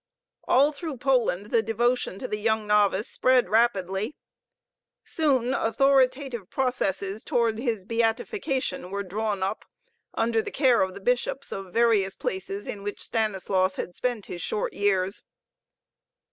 All through Poland the devotion to the young novice spread rapidly. Soon authoritative "processes" toward his beatification were drawn up under the care of the bishops of various places in which Stanislaus had spent his short years.